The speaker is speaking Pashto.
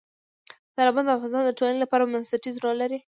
سیلابونه د افغانستان د ټولنې لپاره بنسټيز رول لري.